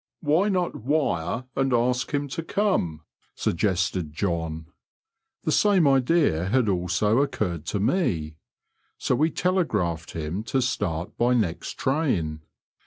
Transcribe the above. '* Why not wire and ask him to come ?" suggested John. The same idea had al89 ^)ccurred to me ; so we telegraphed him to start by next train.